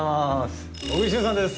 小栗旬さんです